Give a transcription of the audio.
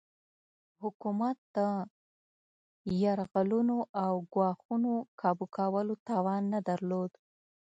حکومت د یرغلونو او ګواښونو کابو کولو توان نه درلود.